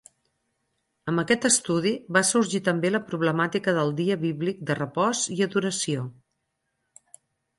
Amb aquest estudi va sorgir també la problemàtica del dia bíblic de repòs i adoració.